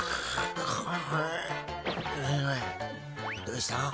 どうした？